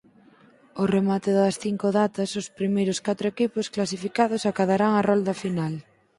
Ó remate das cinco datas os primeiros catro equipos clasificados acadarán a Rolda Final.